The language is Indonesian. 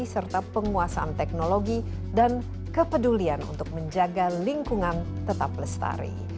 serta penguasaan teknologi dan kepedulian untuk menjaga lingkungan tetap lestari